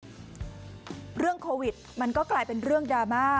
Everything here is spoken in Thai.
เรื่องโควิดมันก็กลายเป็นเรื่องดราม่า